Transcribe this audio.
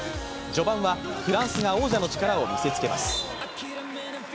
序盤はフランスが王者の力を見せつけます。